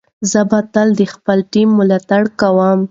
زه به تل د خپل ټیم ملاتړ کوم.